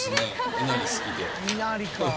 いなり好きで。